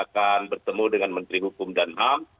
akan bertemu dengan menteri hukum dan ham